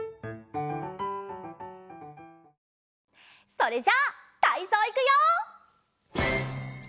それじゃたいそういくよ！